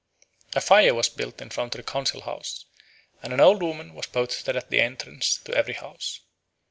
A fire was built in front of the council house, and an old woman was posted at the entrance to every house.